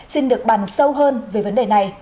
xin được bàn sâu hơn về vấn đề này